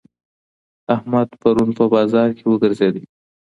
احمد پرون په بازار کي وګرځېدی.